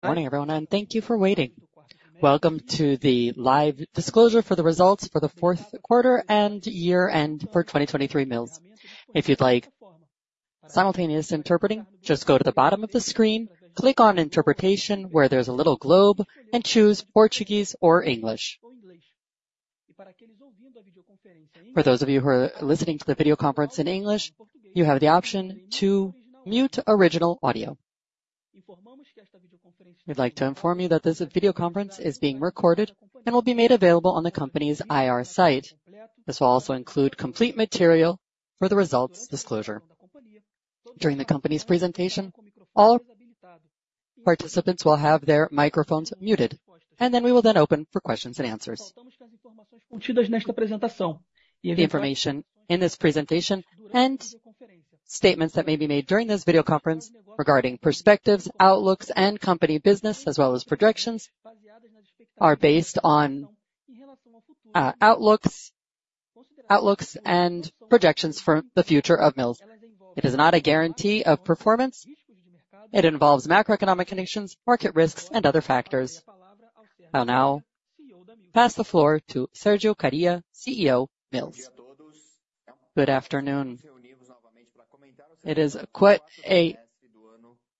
Good morning, everyone, and thank you for waiting. Welcome to the live disclosure for the results for the fourth quarter and year-end for 2023 Mills. If you'd like simultaneous interpreting, just go to the bottom of the screen, click on Interpretation, where there's a little globe, and choose Portuguese or English. For those of you who are listening to the video conference in English, you have the option to mute original audio. We'd like to inform you that this video conference is being recorded and will be made available on the company's IR site. This will also include complete material for the results disclosure. During the company's presentation, all participants will have their microphones muted, and then we will open for questions and answers. The information in this presentation and statements that may be made during this video conference regarding perspectives, outlooks, and company business, as well as projections, are based on outlooks, outlooks and projections for the future of Mills. It is not a guarantee of performance. It involves macroeconomic conditions, market risks, and other factors. I'll now pass the floor to Sérgio Kariya, CEO, Mills. Good afternoon. It is quite a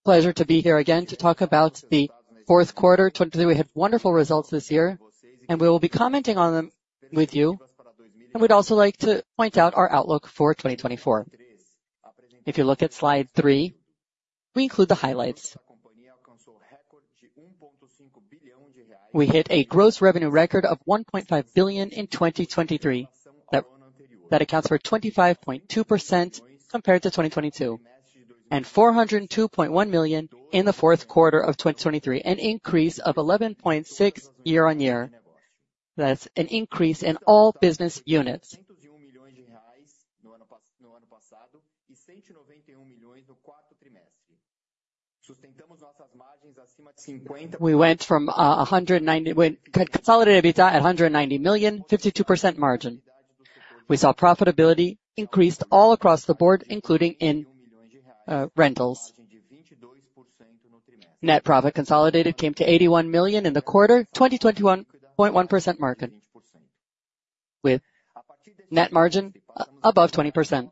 pleasure to be here again to talk about the fourth quarter, 2023. We had wonderful results this year, and we will be commenting on them with you, and we'd also like to point out our outlook for 2024. If you look at Slide 3, we include the highlights. We hit a gross revenue record of 1.5 billion in 2023. That accounts for 25.2% compared to 2022, and 402.1 million in the fourth quarter of 2023, an increase of 11.6% year-on-year. That's an increase in all business units. We went from 190 million consolidated EBITDA at 190 million, 52% margin. We saw profitability increased all across the board, including in rentals. Net profit consolidated came to 81 million in the quarter, 21.1% margin, with net margin above 20%.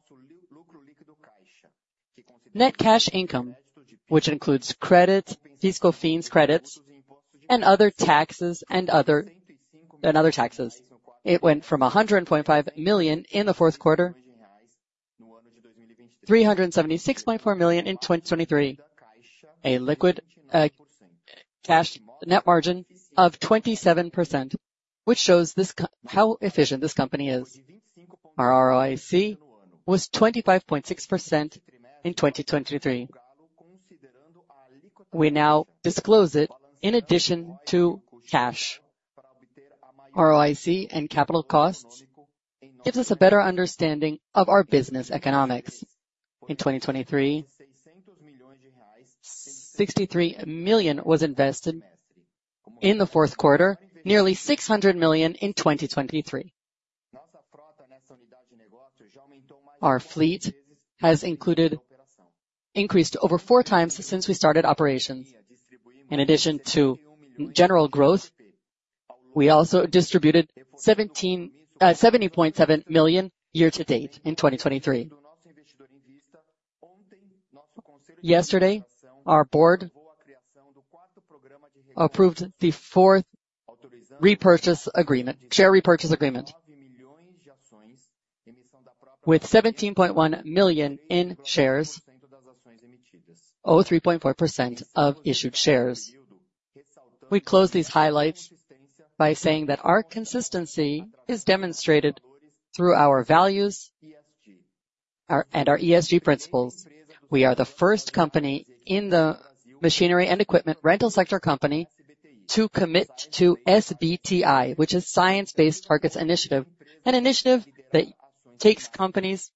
Net cash income, which includes credit, fiscal fees credits, and other taxes and other, and other taxes. It went from 100.5 million in the fourth quarter, 376.4 million in 2023, a liquid cash net margin of 27%, which shows how efficient this company is. Our ROIC was 25.6% in 2023. We now disclose it in addition to cash. ROIC and capital costs gives us a better understanding of our business economics. In 2023, 63 million was invested in the fourth quarter, nearly 600 million in 2023. Our fleet has increased over 4 times since we started operations. In addition to general growth, we also distributed 70.7 million year-to-date in 2023. Yesterday, our Board approved the fourth repurchase agreement, share repurchase agreement, with 17.1 million in shares, oh, 3.4% of issued shares. We close these highlights by saying that our consistency is demonstrated through our values, our, and our ESG principles. We are the first company in the machinery and equipment rental sector company to commit to SBTi, which is Science-Based Targets Initiative, an initiative that takes companies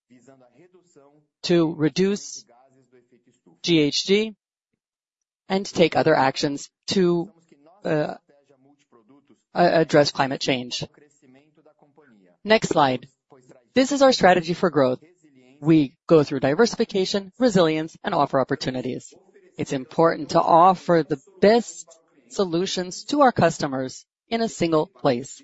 to reduce GHG and take other actions to address climate change. Next slide. This is our strategy for growth. We go through diversification, resilience, and offer opportunities. It's important to offer the best solutions to our customers in a single place.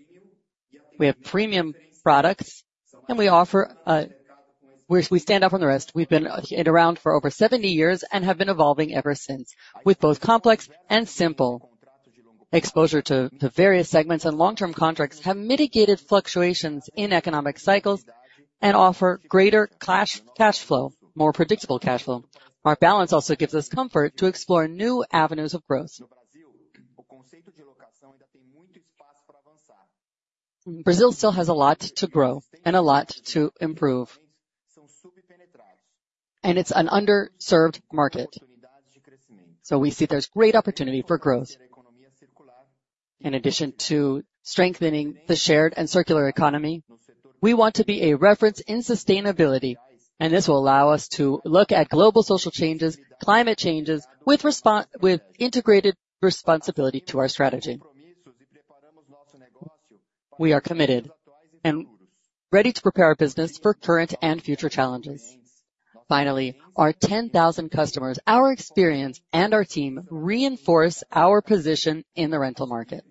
We have premium products, and we offer—we stand out from the rest. We've been around for over 70 years and have been evolving ever since, with both complex and simple exposure to various segments, and long-term contracts have mitigated fluctuations in economic cycles and offer greater cash flow, more predictable cash flow. Our balance also gives us comfort to explore new avenues of growth. Brazil still has a lot to grow and a lot to improve, and it's an underserved market, so we see there's great opportunity for growth. In addition to strengthening the shared and circular economy, we want to be a reference in sustainability, and this will allow us to look at global social changes, climate changes, with integrated responsibility to our strategy. We are committed and ready to prepare our business for current and future challenges. Finally, our 10,000 customers, our experience and our team reinforce our position in the rental market.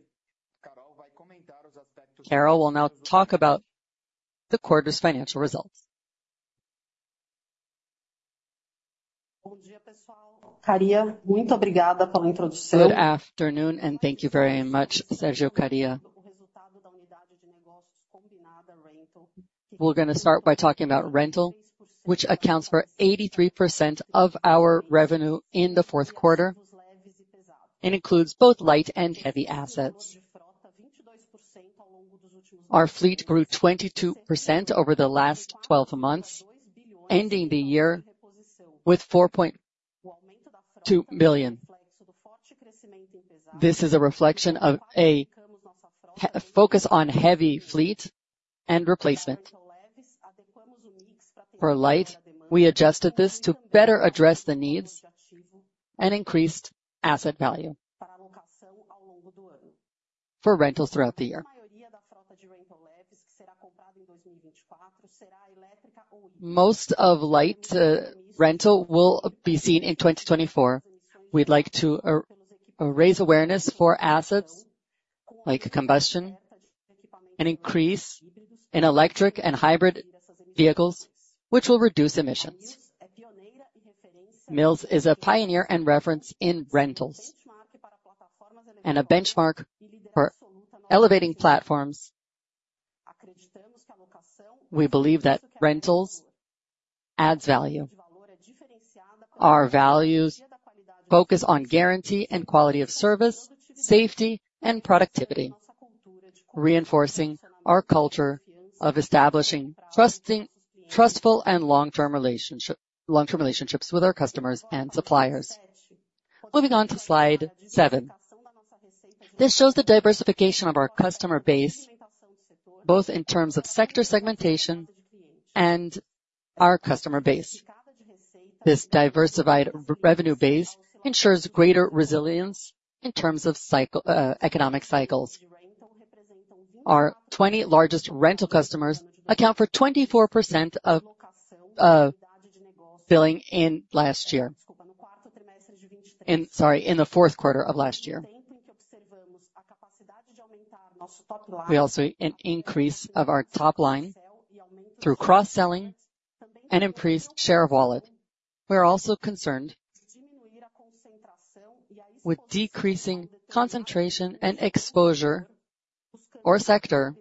Carol will now talk about the quarter's financial results. Good afternoon, and thank you very much, Sérgio Kariya. We're gonna start by talking about rental, which accounts for 83% of our revenue in the fourth quarter, and includes both light and heavy assets. Our fleet grew 22% over the last 12 months, ending the year with R$ 4.2 billion. This is a reflection of a focus on heavy fleet and replacement. For light, we adjusted this to better address the needs and increased asset value for rentals throughout the year. Most of light rental will be seen in 2024. We'd like to raise awareness for assets like combustion and increase in electric and hybrid vehicles, which will reduce emissions. Mills is a pioneer and reference in rentals, and a benchmark for elevating platforms. We believe that rentals adds value. Our values focus on guarantee and quality of service, safety and productivity, reinforcing our culture of establishing trusting- trustful and long-term relationship, long-term relationships with our customers and suppliers. Moving on to Slide 7. This shows the diversification of our customer base, both in terms of sector segmentation and our customer base. This diversified revenue base ensures greater resilience in terms of cycle, economic cycles. Our 20 largest rental customers account for 24% of, billing in last year. Sorry, in the fourth quarter of last year. We also an increase of our top line through cross-selling and increased share of wallet. We are also concerned with decreasing concentration and exposure or sector,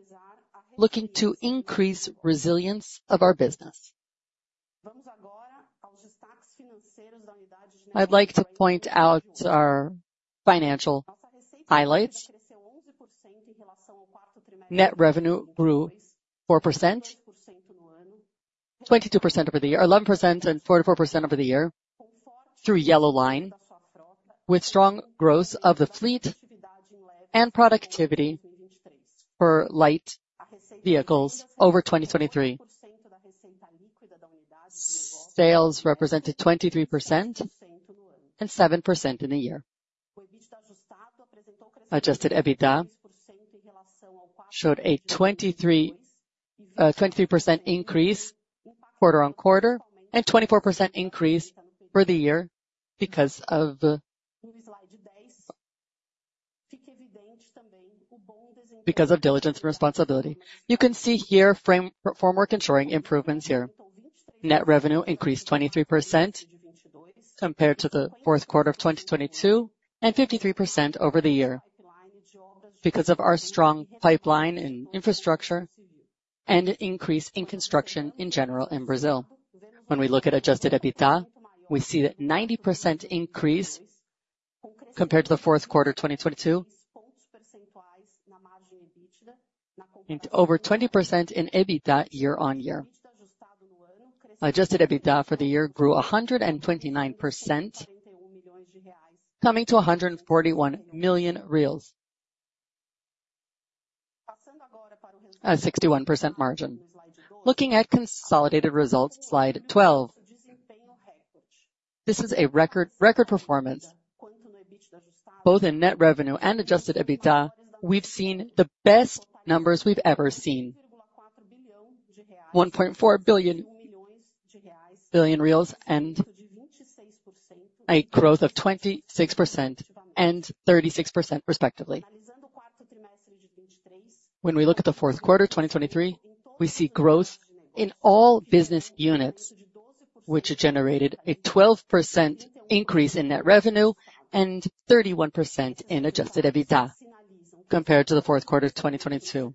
looking to increase resilience of our business. I'd like to point out our financial highlights. Net revenue grew 4%, 22% over the year, 11% and 44% over the year, through yellow line, with strong growth of the fleet and productivity for light vehicles over 2023. Sales represented 23% and 7% in the year. Adjusted EBITDA showed a 23% increase quarter-on-quarter, and 24% increase for the year because of diligence and responsibility. You can see here formwork shoring improvements here. Net revenue increased 23% compared to the fourth quarter of 2022, and 53% over the year, because of our strong pipeline and infrastructure, and an increase in construction in general in Brazil. When we look at adjusted EBITDA, we see that 90% increase compared to the fourth quarter, 2022, and over 20% in EBITDA year-on-year. Adjusted EBITDA for the year grew 129%, coming to BRL 141 million. A 61% margin. Looking at consolidated results, Slide 12. This is a record, record performance, both in net revenue and adjusted EBITDA, we've seen the best numbers we've ever seen. 1.4 billion reais, and a growth of 26% and 36% respectively. When we look at the fourth quarter 2023, we see growth in all business units, which generated a 12% increase in net revenue and 31% in adjusted EBITDA, compared to the fourth quarter of 2022.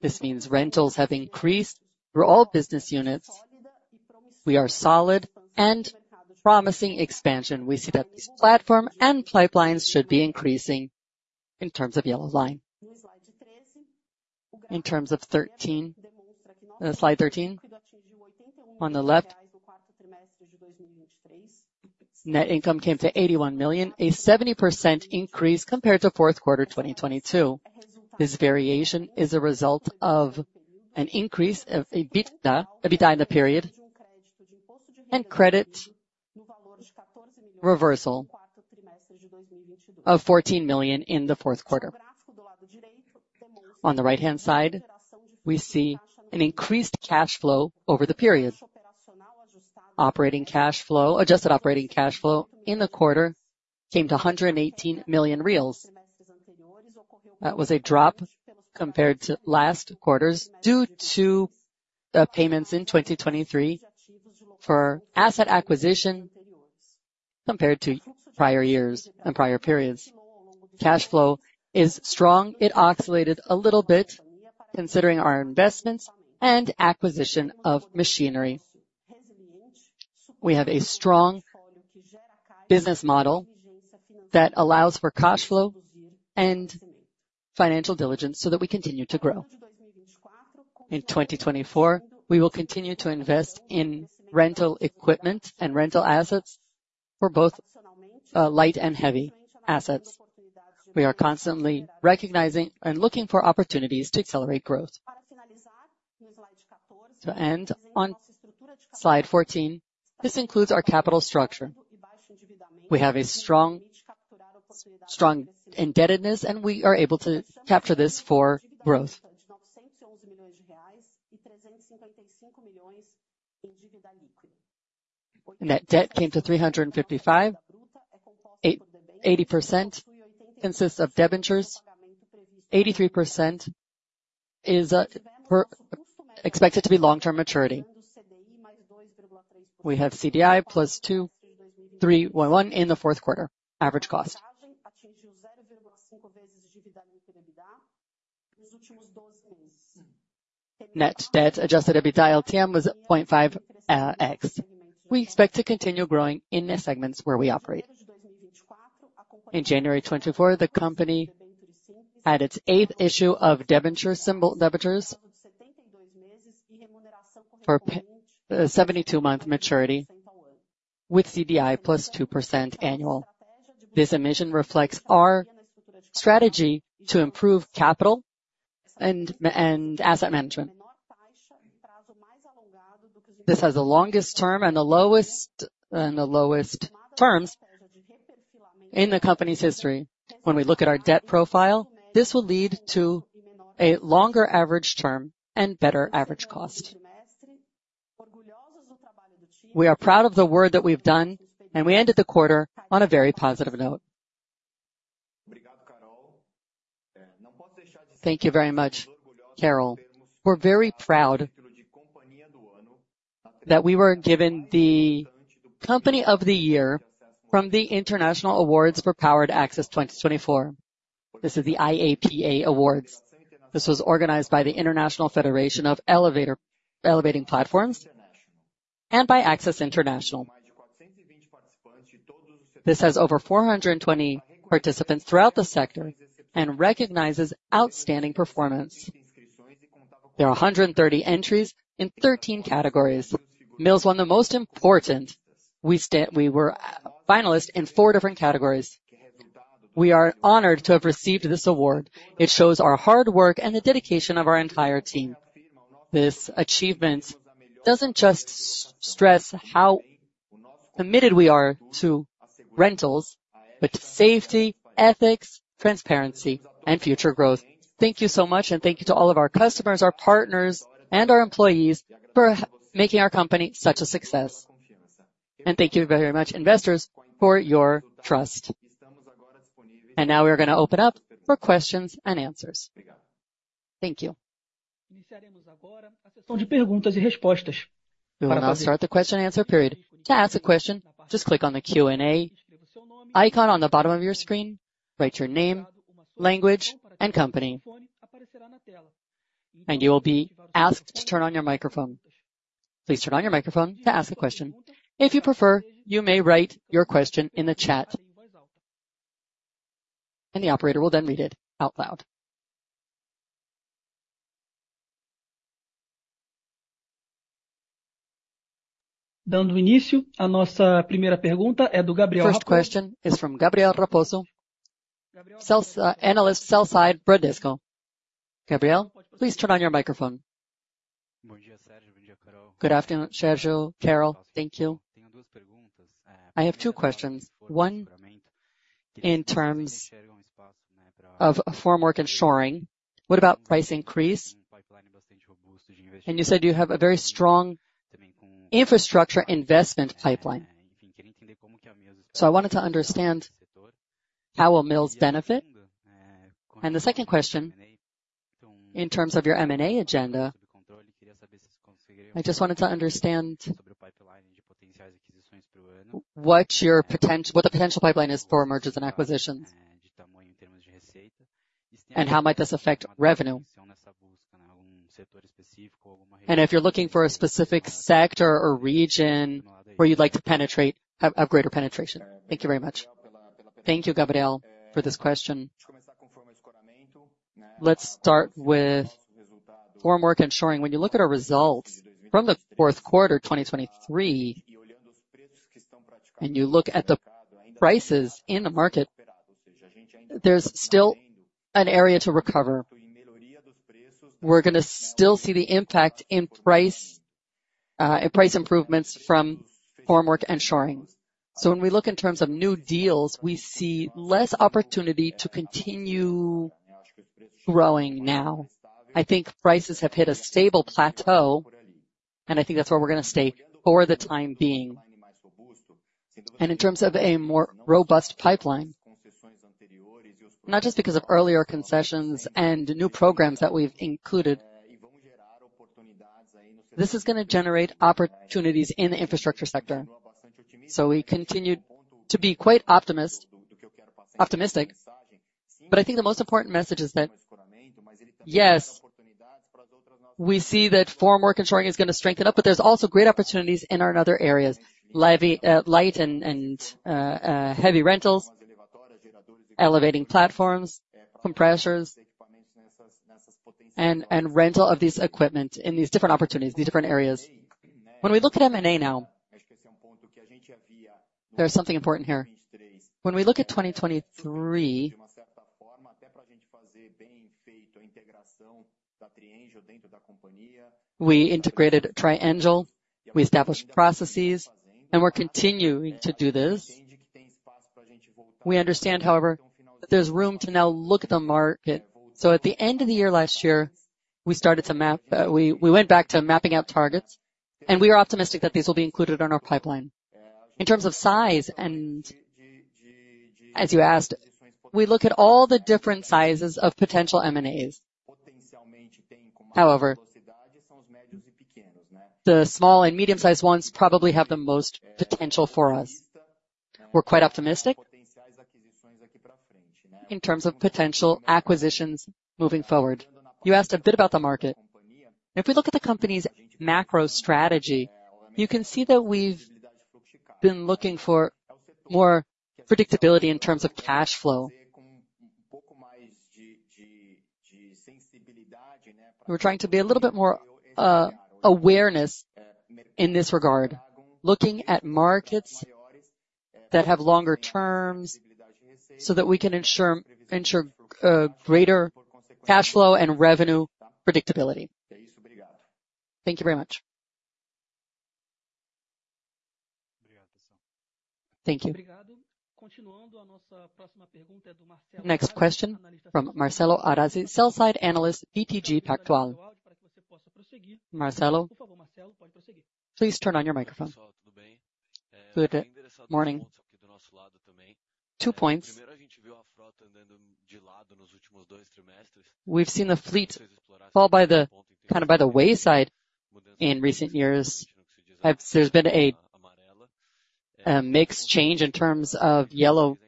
This means rentals have increased for all business units. We are solid and promising expansion. We see that this platform and pipelines should be increasing in terms of yellow line. In terms of Slide 13, on the left, net income came to 81 million, a 70% increase compared to fourth quarter 2022. This variation is a result of an increase of EBITDA, EBITDA in the period, and credit reversal of 14 million in the fourth quarter. On the right-hand side, we see an increased cash flow over the period. Operating cash flow, adjusted operating cash flow in the quarter came to 118 million. That was a drop compared to last quarters, due to the payments in 2023 for asset acquisition, compared to prior years and prior periods. Cash flow is strong. It oscillated a little bit, considering our investments and acquisition of machinery. We have a strong business model that allows for cash flow and financial diligence so that we continue to grow. In 2024, we will continue to invest in rental equipment and rental assets for both light and heavy assets. We are constantly recognizing and looking for opportunities to accelerate growth. To end on Slide 14, this includes our capital structure. We have a strong, strong indebtedness, and we are able to capture this for growth. Net debt came to 355. 80% consists of debentures, 83% is expected to be long-term maturity. We have CDI + 2.311 in the fourth quarter, average cost. Net debt / adjusted EBITDA LTM was 0.5x. We expect to continue growing in the segments where we operate. In January 2024, the company had its eighth issue of debenture, simple debentures, for 72-month maturity, with CDI + 2% annual. This emission reflects our strategy to improve capital and asset management. This has the longest term and the lowest terms in the company's history. When we look at our debt profile, this will lead to a longer average term and better average cost. We are proud of the work that we've done, and we ended the quarter on a very positive note. Thank you very much, Carol. We're very proud that we were given the Company of the Year from the International Awards for Powered Access 2024. This is the IAPA Awards. This was organized by the International Powered Access Federation and by Access International. This has over 420 participants throughout the sector and recognizes outstanding performance. There are 130 entries in 13 categories. Mills won the most important. We were finalist in four different categories. We are honored to have received this award. It shows our hard work and the dedication of our entire team. This achievement doesn't just stress how committed we are to rentals, but to safety, ethics, transparency, and future growth. Thank you so much, and thank you to all of our customers, our partners, and our employees for making our company such a success. Thank you very much, investors, for your trust. Now we are gonna open up for questions and answers. Thank you. We will now start the question-and-answer period. To ask a question, just click on the Q&A icon on the bottom of your screen, write your name, language, and company. And you will be asked to turn on your microphone. Please turn on your microphone to ask the question. If you prefer, you may write your question in the chat, and the operator will then read it out loud. First question is from Gabriel Raposo, sales analyst, sell-side Bradesco. Gabriel, please turn on your microphone. Good afternoon, Sérgio, Carol. Thank you. I have two questions. One, in terms of formwork and shoring, what about price increase? And you said you have a very strong infrastructure investment pipeline. So I wanted to understand how will Mills benefit. The second question, in terms of your M&A agenda, I just wanted to understand what your potential pipeline is for mergers and acquisitions, and how might this affect revenue? If you're looking for a specific sector or region where you'd like to penetrate, have greater penetration. Thank you very much. Thank you, Gabriel, for this question. Let's start with formwork and shoring. When you look at our results from the fourth quarter, 2023, and you look at the prices in the market, there's still an area to recover. We're gonna still see the impact in price, in price improvements from formwork and shoring. So when we look in terms of new deals, we see less opportunity to continue growing now. I think prices have hit a stable plateau, and I think that's where we're gonna stay for the time being. In terms of a more robust pipeline, not just because of earlier concessions and new programs that we've included, this is gonna generate opportunities in the infrastructure sector. So we continue to be quite optimistic, but I think the most important message is that, yes, we see that formwork and shoring is gonna strengthen up, but there's also great opportunities in our other areas, heavy, light and heavy rentals, elevating platforms, compressors, and rental of these equipment in these different opportunities, these different areas. When we look at M&A now, there's something important here. When we look at 2023, we integrated Triengel, we established processes, and we're continuing to do this. We understand, however, that there's room to now look at the market. So at the end of the year last year, we started to map, we went back to mapping out targets, and we are optimistic that these will be included on our pipeline. In terms of size, and as you asked, we look at all the different sizes of potential M&As. However, the small and medium-sized ones probably have the most potential for us. We're quite optimistic in terms of potential acquisitions moving forward. You asked a bit about the market. If we look at the company's macro strategy, you can see that we've been looking for more predictability in terms of cash flow. We're trying to be a little bit more awareness in this regard, looking at markets that have longer terms, so that we can ensure greater cash flow and revenue predictability. Thank you very much. Thank you. Next question from Marcelo Arazi, Sell-Side Analyst, BTG Pactual. Marcelo, please turn on your microphone. Good morning. Two points. We've seen the fleet fall kind of by the wayside in recent years. There's been a mix change in terms of yellow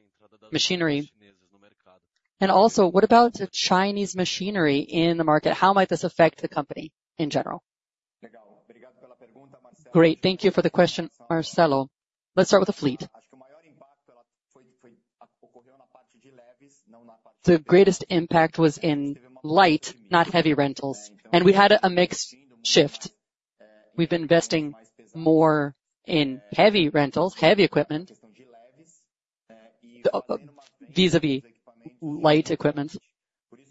machinery. And also, what about the Chinese machinery in the market? How might this affect the company in general? Great, thank you for the question, Marcelo. Let's start with the fleet. The greatest impact was in light, not heavy rentals, and we had a mix shift. We've been investing more in heavy rentals, heavy equipment, vis-à-vis light equipment,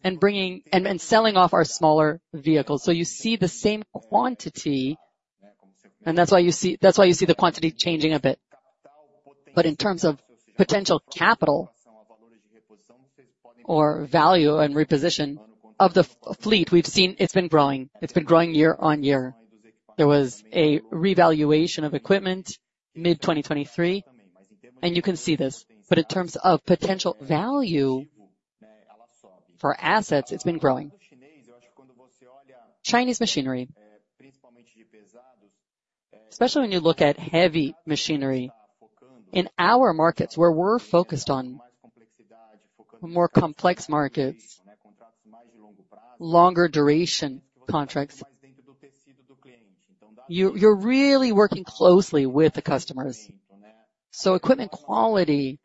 and selling off our smaller vehicles. So you see the same quantity, and that's why you see the quantity changing a bit. But in terms of potential capital or value and reposition of the fleet we've seen, it's been growing. It's been growing year-on-year. There was a revaluation of equipment mid-2023, and you can see this. But in terms of potential value for assets, it's been growing. Chinese machinery, especially when you look at heavy machinery, in our markets, where we're focused on more complex markets, longer duration contracts, you're really working closely with the customers. So equipment quality,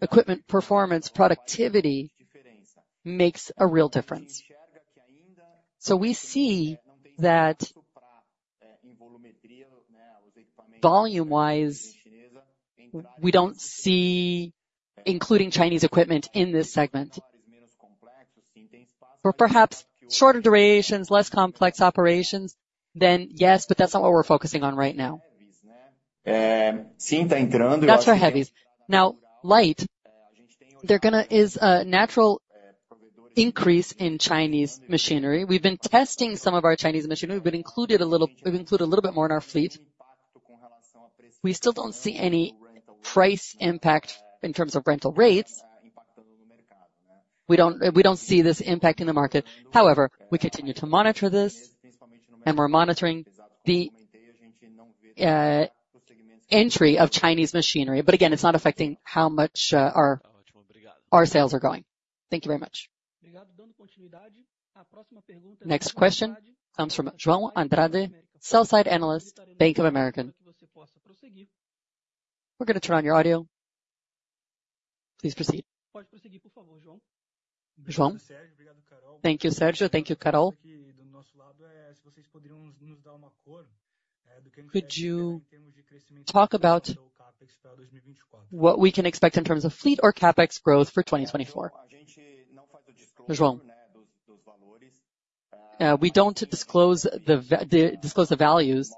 equipment performance, productivity, makes a real difference. So we see that, volume-wise, we don't see including Chinese equipment in this segment. For perhaps shorter durations, less complex operations, then yes, but that's not what we're focusing on right now. That's for heavies. Now, light, there is a natural increase in Chinese machinery. We've been testing some of our Chinese machinery. We've included a little bit more in our fleet. We still don't see any price impact in terms of rental rates. We don't, we don't see this impact in the market. However, we continue to monitor this, and we're monitoring the entry of Chinese machinery. But again, it's not affecting how much our sales are going. Thank you very much. Next question comes from João Andrade, Sell-Side Analyst, Bank of America. We're gonna turn on your audio. Please proceed. João? Thank you, Sergio. Thank you, Carol. Could you talk about what we can expect in terms of fleet or CapEx growth for 2024? João, we don't disclose the values,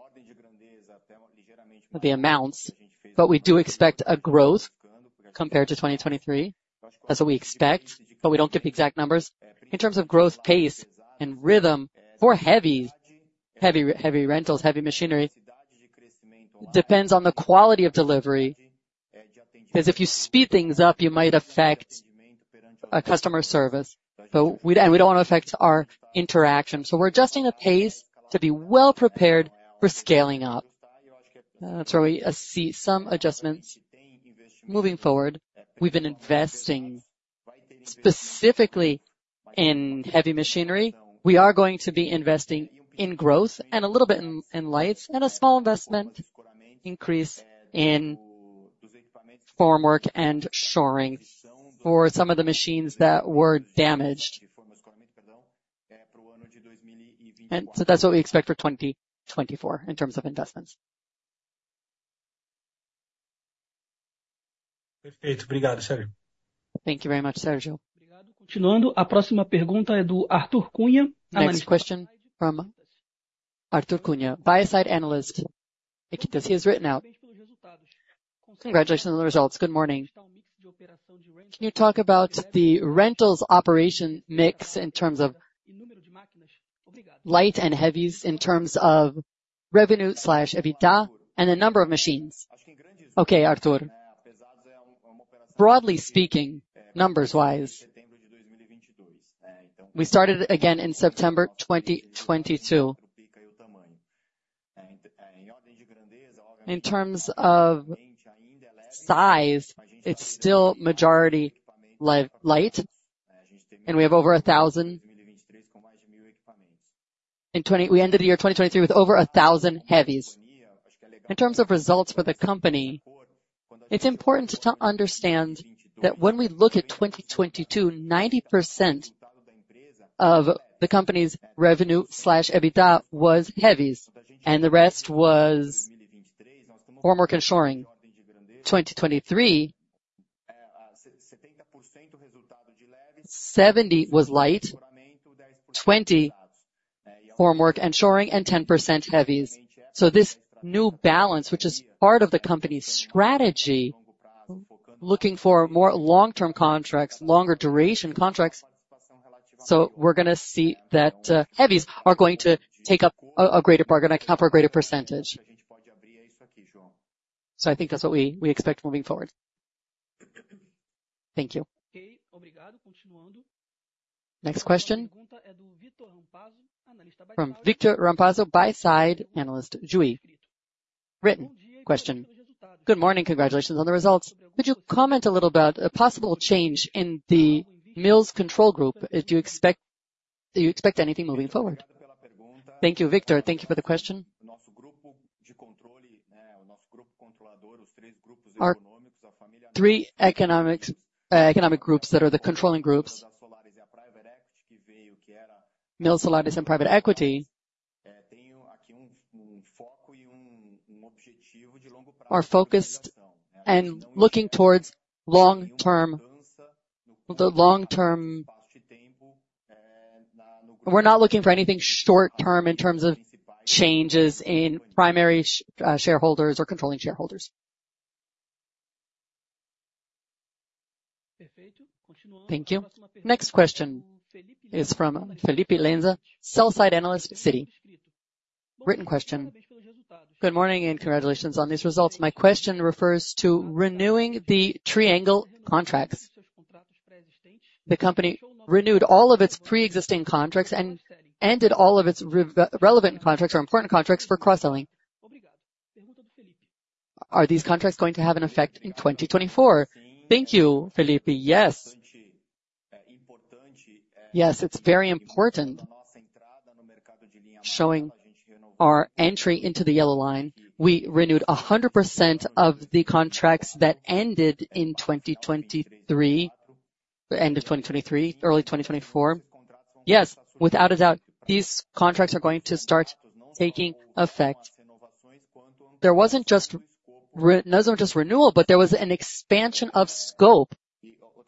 the amounts, but we do expect a growth compared to 2023. That's what we expect, but we don't give the exact numbers. In terms of growth, pace, and rhythm for heavy, heavy, heavy rentals, heavy machinery, depends on the quality of delivery, because if you speed things up, you might affect customer service. But we and we don't want to affect our interaction, so we're adjusting the pace to be well prepared for scaling up. That's where we see some adjustments. Moving forward, we've been investing specifically in heavy machinery. We are going to be investing in growth and a little bit in light and a small investment increase in formwork and shoring for some of the machines that were damaged. And so that's what we expect for 2024 in terms of investments. Thank you very much, Sérgio. Next question from Arthur Cunha, Buy-Side Analyst. He has written out: Congratulations on the results. Good morning. Can you talk about the rentals operation mix in terms of light and heavies, in terms of revenue slash EBITDA and the number of machines? Okay, Arthur. Broadly speaking, numbers wise, we started again in September 2022. In terms of size, it's still majority light, and we have over 1,000. In 2023 we ended the year 2023 with over 1,000 heavies. In terms of results for the company, it's important to understand that when we look at 2022, 90% of the company's revenue slash EBITDA was heavies, and the rest was Formwork and Shoring. 2023, 70% was light, 20% Formwork and Shoring, and 10% heavies. So this new balance, which is part of the company's strategy, looking for more long-term contracts, longer duration contracts, so we're gonna see that, heavies are going to take up a greater percentage. So I think that's what we expect moving forward. Thank you. Next question from Victor Rampazzo, Buy-Side Analyst, Jive. Written question: Good morning. Congratulations on the results. Could you comment a little about a possible change in the Mills Control Group? Do you expect, do you expect anything moving forward? Thank you, Victor. Thank you for the question. Our three economic groups that are the controlling groups, Mills, Solaris, and private equity, are focused and looking towards long-term the long-term. We're not looking for anything short-term in terms of changes in primary shareholders or controlling shareholders. Thank you. Next question is from Felipe Lenza, Sell-Side Analyst, Citi. Written question: Good morning, and congratulations on these results. My question refers to renewing the Triengel contracts. The company renewed all of its pre-existing contracts and ended all of its relevant contracts or important contracts for cross-selling. Are these contracts going to have an effect in 2024? Thank you, Felipe. Yes. Yes, it's very important, showing our entry into the yellow line. We renewed 100% of the contracts that ended in 2023, the end of 2023, early 2024. Yes, without a doubt, these contracts are going to start taking effect. There wasn't just renewal, but there was an expansion of scope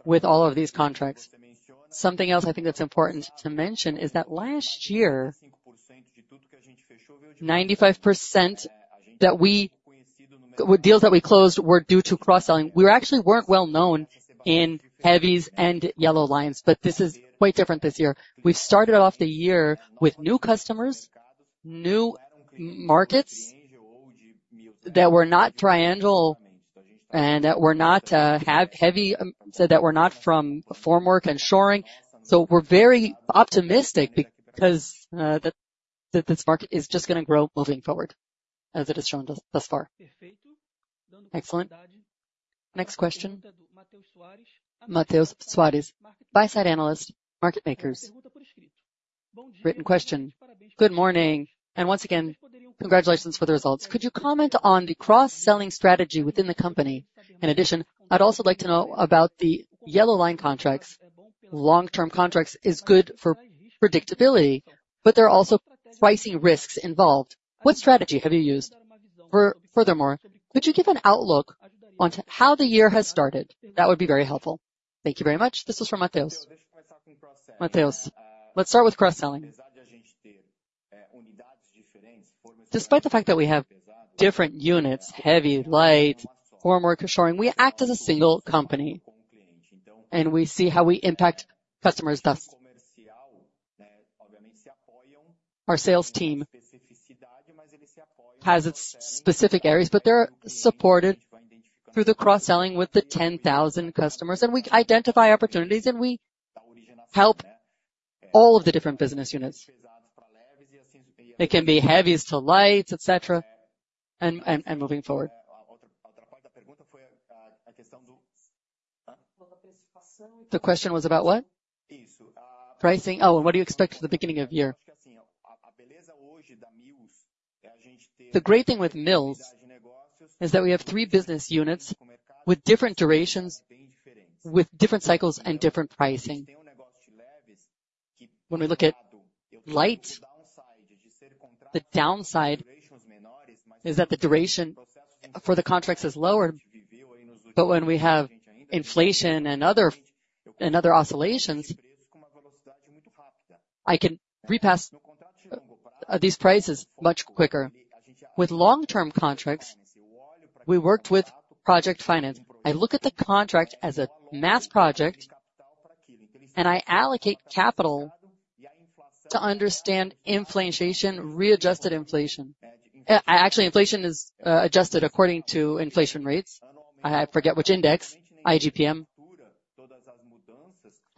with all of these contracts. Something else I think that's important to mention is that last year, 95% that we with deals that we closed were due to cross-selling. We actually weren't well known in heavies and yellow lines, but this is quite different this year. We've started off the year with new customers, new markets that were not Triengel and that were not heavy, so that were not from formwork and shoring. So we're very optimistic because that this market is just gonna grow moving forward, as it has shown thus far. Excellent. Next question, Matheus Soares, Buy-Side Analyst, Market Makers. Written question: Good morning, and once again, congratulations for the results. Could you comment on the cross-selling strategy within the company? In addition, I'd also like to know about the yellow line contracts. Long-term contracts is good for predictability, but there are also pricing risks involved. What strategy have you used? Furthermore, could you give an outlook on to how the year has started? That would be very helpful. Thank you very much. This is from Matheus. Matheus, let's start with cross-selling. Despite the fact that we have different units, heavy, light, formwork, shoring, we act as a single company, and we see how we impact customers thus. Our Sales team has its specific areas, but they're supported through the cross-selling with the 10,000 customers, and we identify opportunities, and we help all of the different business units. It can be heavies to lights, et cetera, and moving forward. The question was about what? Pricing. Oh, what do you expect at the beginning of year? The great thing with Mills is that we have three business units with different durations, with different cycles and different pricing. When we look at light, the downside is that the duration for the contracts is lower. But when we have inflation and other, and other oscillations, I can repass these prices much quicker. With long-term contracts, we worked with project finance. I look at the contract as a mass project, and I allocate capital to understand inflation, readjusted inflation. Actually, inflation is adjusted according to inflation rates. I forget which index, IGP-M.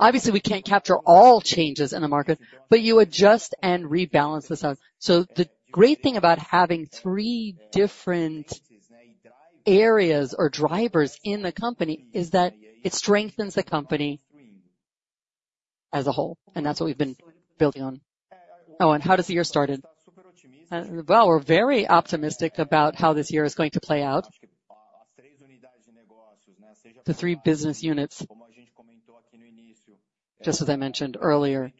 Obviously, we can't capture all changes in the market, but you adjust and rebalance the sum. So the great thing about having three different areas or drivers in the company is that it strengthens the company as a whole, and that's what we've been building on. Oh, and how does the year started? Well, we're very optimistic about how this year is going to play out. The three business units, just as I mentioned earlier,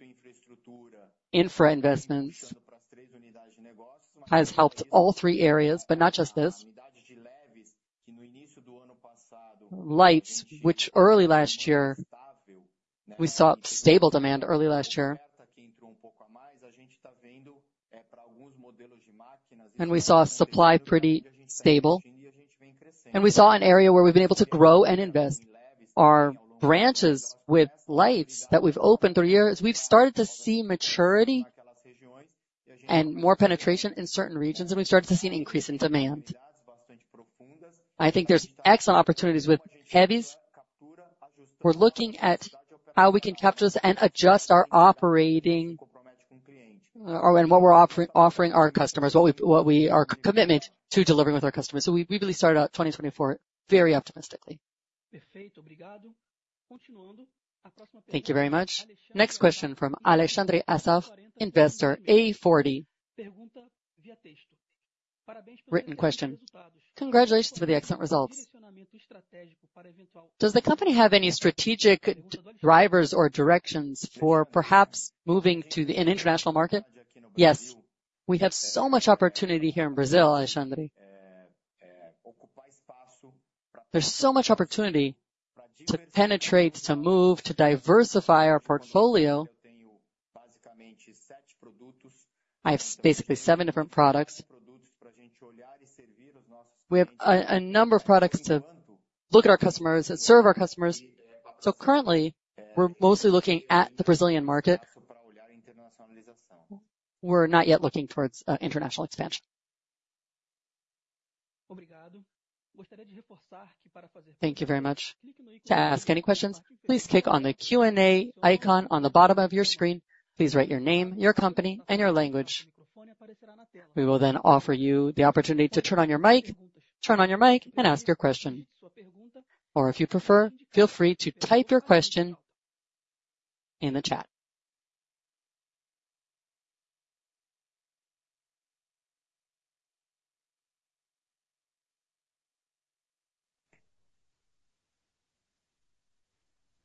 infra investments, has helped all three areas, but not just this. Lights, which early last year, we saw stable demand early last year. We saw supply pretty stable, and we saw an area where we've been able to grow and invest our branches with lights that we've opened through the years. We've started to see maturity and more penetration in certain regions, and we've started to see an increase in demand. I think there's excellent opportunities with heavies. We're looking at how we can capture this and adjust our operating, and what we're offering our customers, what we our commitment to delivering with our customers. We really started out 2024 very optimistically. Thank you very much. Next question from Alexandre Assaf, Investor A40. Written question: Congratulations for the excellent results. Does the company have any strategic drivers or directions for perhaps moving to an international market? Yes, we have so much opportunity here in Brazil, Alexandre. There's so much opportunity to penetrate, to move, to diversify our portfolio. I have basically seven different products. We have a number of products to look at our customers, that serve our customers, so currently, we're mostly looking at the Brazilian market. We're not yet looking towards international expansion. Thank you very much. To ask any questions, please click on the Q&A icon on the bottom of your screen. Please write your name, your company, and your language. We will then offer you the opportunity to turn on your mic. Turn on your mic and ask your question. Or if you prefer, feel free to type your question in the chat.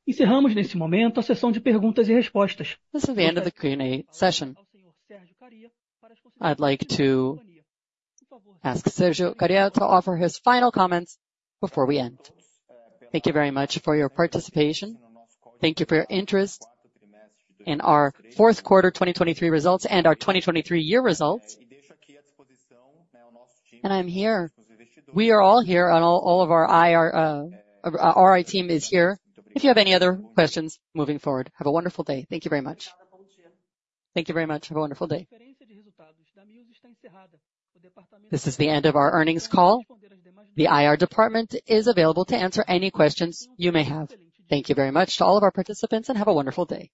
This is the end of the Q&A session. I'd like to ask Sérgio Kariya to offer his final comments before we end. Thank you very much for your participation. Thank you for your interest in our fourth quarter 2023 results and our 2023 year results. I'm here, we are all here, and all, all of our IR, our RI team is here, if you have any other questions moving forward. Have a wonderful day. Thank you very much. Thank you very much. Have a wonderful day. This is the end of our earnings call. The IR department is available to answer any questions you may have. Thank you very much to all of our participants, and have a wonderful day.